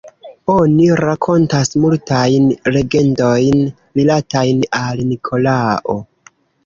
Oni rakontas multajn legendojn rilatajn al Nikolao.